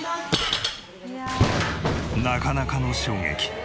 なかなかの衝撃。